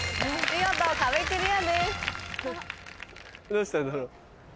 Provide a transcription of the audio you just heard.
どうしたんだろう。